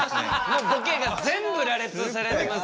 もうボケが全部羅列されてますんで。